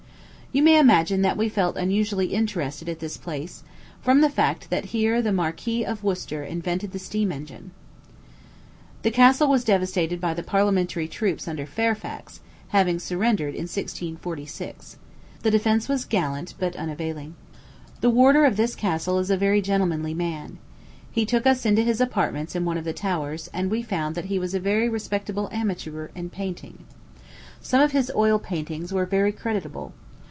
You may imagine that we felt unusually interested at this place, from the fact that here the Marquis of Worcester invented the steam engine. The castle was devastated by the parliamentary troops under Fairfax, having surrendered in 1646. The defence was gallant, but unavailing. The warder of the castle is a very gentlemanly man. He took us into his apartments in one of the towers, and we found that he was a very respectable amateur in painting. Some of his oil paintings were very creditable.